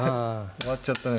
終わっちゃったのよ